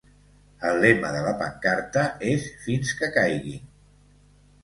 El lema de la pancarta és Fins que caiguin!